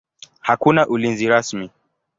Hakuna ulinzi rasmi.